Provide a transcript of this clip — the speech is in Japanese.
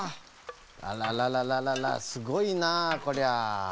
あららららららすごいなあこりゃあ。